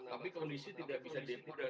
tapi kondisi normal disini kita masih bisa lihat ya